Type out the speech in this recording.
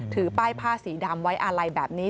ถือป้ายผ้าสีดำไว้อาลัยแบบนี้